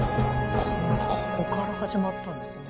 ここから始まったんですね。